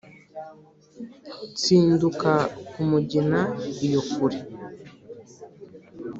Ntsinduka ku mugina iyo kure